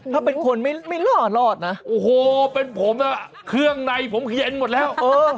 ถ้าเป็นคนไม่หล่อรอดนะโอ้โหเป็นผมน่ะเครื่องในผมเขียนหมดแล้วเออ